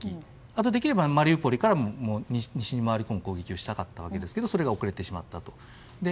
あとできればマリウポリからも西に回り込む攻撃をしたかったわけですがそれが遅れてしまったと。